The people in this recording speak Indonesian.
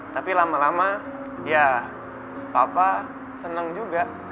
tapi lama lama ya papa seneng juga